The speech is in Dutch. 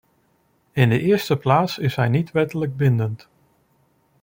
In de eerste plaats is hij niet wettelijk bindend.